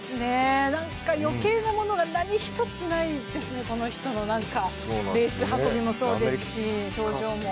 余計なものが何一つないですね、この人のレース運びもそうですし、表情も。